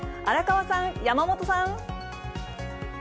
荒川さん、山本さん。